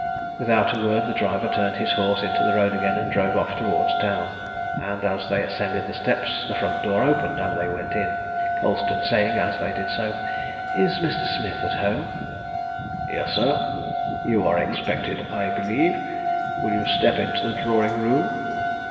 Without a word the driver turned his horse into the road again and drove off towards town, and as they ascended the steps the front door opened, and they went in, Colston saying as they did so "Is Mr. Smith at home?" "Yes, sir; you are expected, I believe. Will you step into the drawing room?"